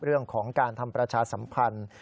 เรื่องของการทำประชาสัมพันธ์